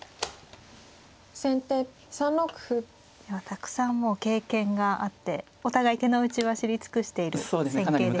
先手３六歩。ではたくさんもう経験があってお互い手の内は知り尽くしている戦型でしょうか。